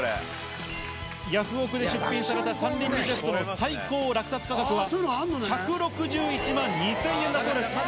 ヤフオクで出品された三輪ミゼットの最高落札価格は１６１万２０００円だそうです。